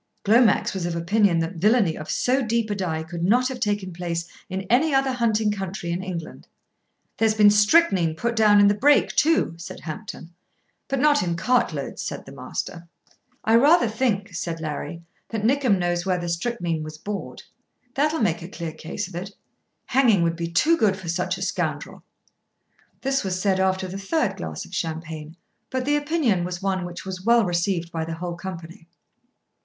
Glomax was of opinion that villainy of so deep a dye could not have taken place in any other hunting country in England. "There's been strychnine put down in the Brake too," said Hampton. "But not in cartloads," said the Master. "I rather think," said Larry, "that Nickem knows where the strychnine was bought. That'll make a clear case of it. Hanging would be too good for such a scoundrel." This was said after the third glass of champagne, but the opinion was one which was well received by the whole company.